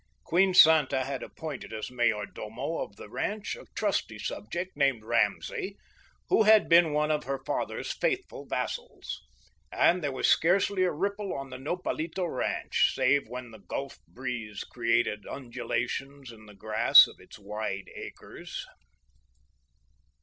Queen Santa had appointed as mayordomo of the ranch a trusty subject, named Ramsay, who had been one of her father's faithful vassals. And there was scarcely a ripple on the Nopalito ranch save when the gulf breeze created undulations in the grass of its wide acres.